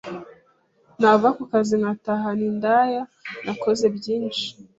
nava ku kazi nkatahana indaya, nakoze byinshi